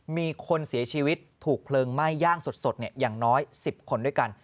มีคนเสียชีวิตถูกเพลิงไหม้ย่างสดอย่างน้อย๑๐คนด้วยกัน